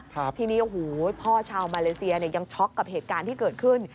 ทีนี้โอ้โหพ่อชาวมาเลเซียเนี่ยยังช็อกกับเหตุการณ์ที่เกิดขึ้น